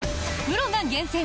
プロが厳選！